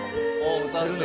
知ってるね。